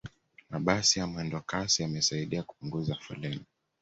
mabasi ya mwendokasi yamesaidia kupunguza foleni